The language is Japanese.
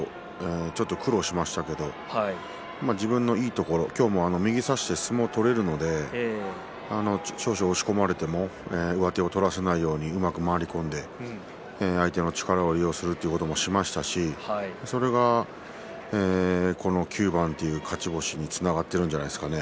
ちょっと苦労しましたけれども自分のいいところ、今日も右差して相撲を取れるので少々押し込まれても上手を取らせないようにうまく回り込んで相手の力を利用するということもしましたしそれがこの９番という勝ち星につながっているんじゃないでしょうかね。